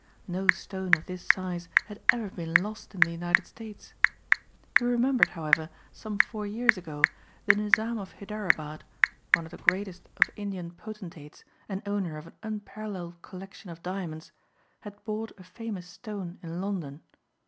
No stone of this size had ever been lost in the United States. He remembered however some four years ago the Nizam of Hyderabad one of the greatest of Indian potentates and owner of an unparalleled collection of diamonds had bought a famous stone in London.